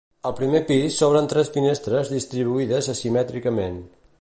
Al primer pis s'obren tres finestres distribuïdes asimètricament.